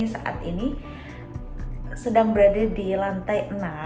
saat ini sedang berada di lantai enam